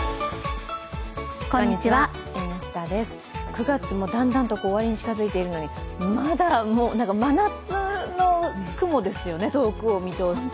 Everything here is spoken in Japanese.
９月もだんだんと終わりに近づいているのにまだ真夏の雲ですよね、遠くを見通すと。